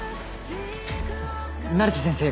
成瀬先生